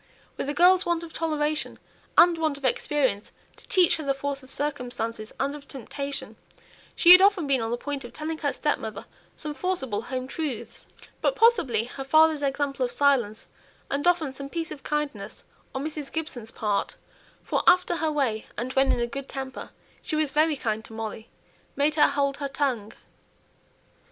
With a girl's want of toleration, and want of experience to teach her the force of circumstances, and of temptation, she had often been on the point of telling her stepmother some forcible home truths. But, possibly, her father's example of silence, and often some piece of kindness on Mrs. Gibson's part (for after her way, and when in a good temper, she was very kind to Molly), made her hold her tongue.